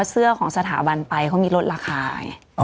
เสื้อของสถาบันไปเขามีลดราคาไง